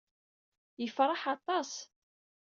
Yefṛeḥ aṭas.